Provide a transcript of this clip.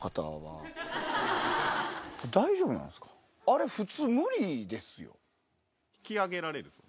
あれ普通無理ですよ。